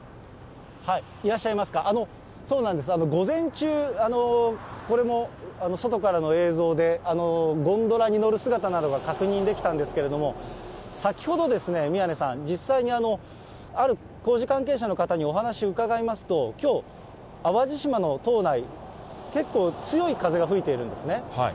いらっしゃいますか、そうなんです、午前中、これも外からの映像で、ゴンドラに乗る姿などが確認できたんですけども、先ほどですね、宮根さん、実際に、ある工事関係者の方にお話を伺いますと、きょう、淡路島の島内、結構強い風が吹いているんですね。